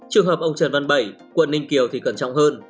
trường hợp ông trần văn bảy quận ninh kiều thì cẩn trọng hơn